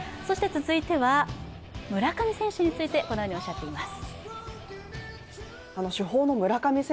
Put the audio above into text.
続いては村上選手についてこのようにおっしゃっています。